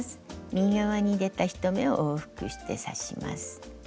右側に出た１目を往復して刺します。